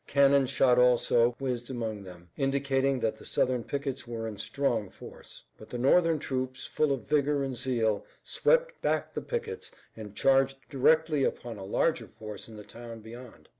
Cannon shot also whizzed among them, indicating that the Southern pickets were in strong force. But the Northern troops, full of vigor and zeal, swept back the pickets and charged directly upon a larger force in the town beyond.